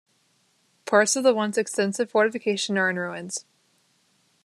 Parts of the once extensive fortification are in ruins.